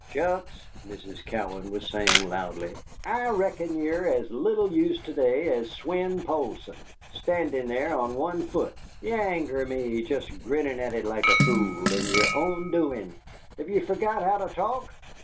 "Shucks," Mrs. Cowan was saying loudly, "I reckon ye're as little use to day as Swein Poulsson, standin' there on one foot. Ye anger me just grinning at it like a fool and yer own doin'. Have ye forgot how to talk?"